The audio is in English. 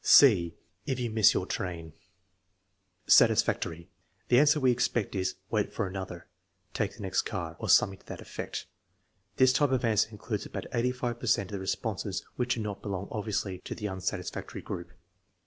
(c) // you miss your train Satisfactory. The answer we expect is, "Wait .for another," "Take the next car," or something to that effect. This type of answer includes about 85 per cent of the responses which do not belong obviously in the unsatisfactory group.